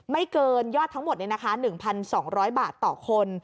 ไม่เกินยอดทั้งหมด๑๒๐๐บาทต่อคน